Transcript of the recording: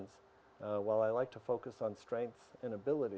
sedangkan saya suka fokus pada kekuatan dan kemampuan